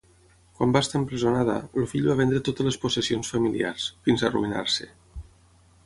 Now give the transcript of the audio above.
Quan va estar empresonada, el fill va vendre totes les possessions familiars, fins a arruïnar-se.